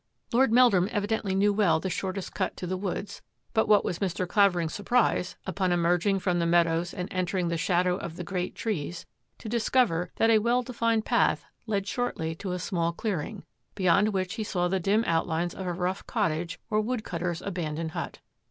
Lord Meldrum evidently knew well the shortest cut to the woods, but what was Mr. Clavering's surprise, upon emerging from the meadows and entering the shadow of the great trees, to discover that a well defined path led shortly to a small clearing, beyond which he saw the dim outlines of a rough cottage or wood cutter's abandoned hut.